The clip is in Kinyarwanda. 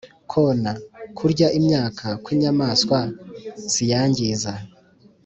kona: kurya imyaka kw’inyamaswa ziyangiza.